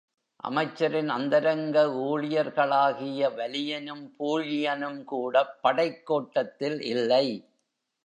அமைச்சரின் அந்தரங்க ஊழியர்களாகிய வலியனும் பூழியனும் கூடப் படைக்கோட்டத்தில் இல்லை.